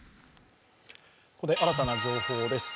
ここで新たな情報です。